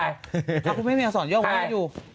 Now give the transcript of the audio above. แต่คุณแม่มีอักษรย่องของคุณแม่อยู่